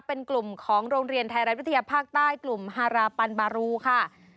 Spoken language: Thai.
เป็นกลุ่มของโรงเรียนไทยรัฐวิทยาภาคใต้กลุ่มฮาราปันบารูค่ะ